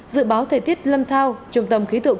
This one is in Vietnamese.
dự báo thời tiết lâm thao trung tâm khí tượng